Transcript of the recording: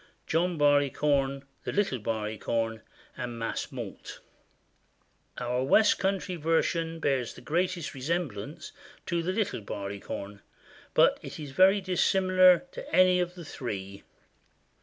John Barleycorn, The Little Barleycorn, and Mas Mault. Our west country version bears the greatest resemblance to The Little Barleycorn, but it is very dissimilar to any of the three.